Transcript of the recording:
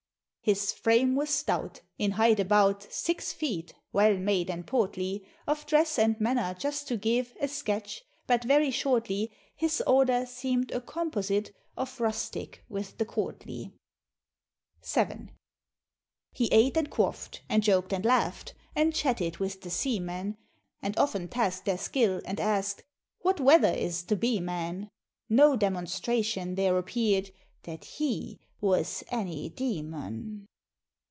His frame was stout, in height about Six feet well made and portly; Of dress and manner just to give A sketch, but very shortly, His order seem'd a composite Of rustic with the courtly. VII. He ate and quaff'd, and joked and laughed, And chatted with the seamen, And often task'd their skill and ask'd, "What weather is't to be, man?" No demonstration there appeared, That he was any demon.